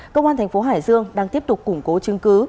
công an thành phố hải dương đang tiếp tục củng cố chứng cứ